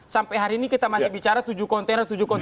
sampai hari ini kita masih bicara tujuh kontainer